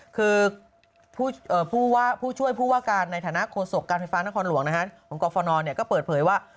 คือผู้ช่วยผู้ว่าการในฐานะโฆษกการไฟฟ้านครหลวงของกรฟนก็เปิดเผยว่า